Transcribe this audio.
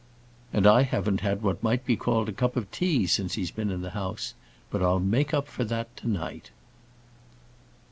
"And I haven't had what can be called a cup of tea since he's been in the house. But I'll make up for that to night."